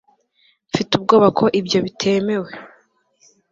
mfite ubwoba ko ibyo bitemewe